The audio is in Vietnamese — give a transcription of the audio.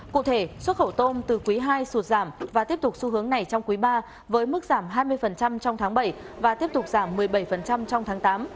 cụ thể xuất khẩu tôm từ quý ii sụt giảm và tiếp tục xu hướng này trong quý ba với mức giảm hai mươi trong tháng bảy và tiếp tục giảm một mươi bảy trong tháng tám